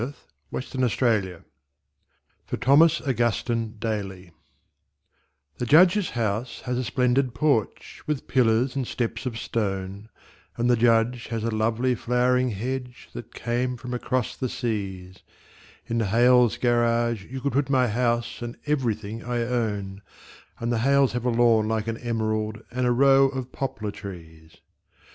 The Snowman in the Yard (For Thomas Augustine Daly) The Judge's house has a splendid porch, with pillars and steps of stone, And the Judge has a lovely flowering hedge that came from across the seas; In the Hales' garage you could put my house and everything I own, And the Hales have a lawn like an emerald and a row of poplar trees.